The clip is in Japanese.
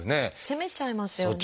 責めちゃいますよね。